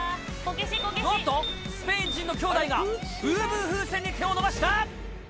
おっと、スペイン人のきょうだいが、ブーブー風船に手を伸ばした。